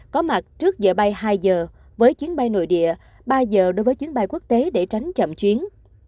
có mặt trước giờ bay hai giờ với chuyến bay nội địa ba giờ đối với chuyến bay quốc tế để tránh chậm chuyến